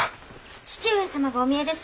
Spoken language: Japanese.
義父上様がお見えです。